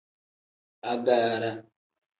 Agaara.